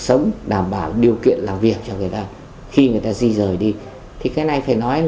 sống đảm bảo điều kiện làm việc cho người ta khi người ta di rời đi thì cái này phải nói là hà nội